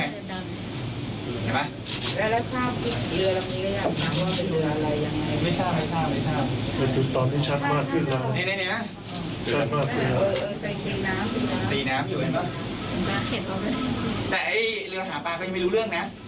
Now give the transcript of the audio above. ว่ามีคนตกน้ำยังไม่รู้เรื่อง